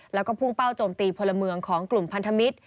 แล้วก็พุ่งเป้าโจมตีพลเมืองของกลุ่มพันธมิตร